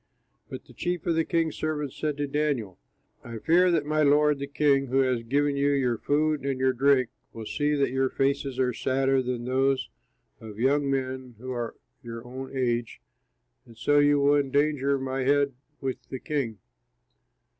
But the chief of the king's servants said to Daniel, "I fear that my lord, the king, who has given you your food and your drink will see that your faces are sadder than those of young men who are your own age, and so you will endanger my head with the king."